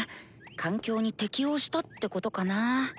環境に適応したってことかな。